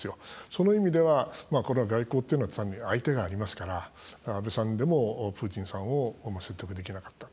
その意味ではこの外交っていうのは相手がありますから安倍さんでもプーチンさんを説得できなかった。